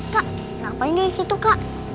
kak kenapa ini dari situ kak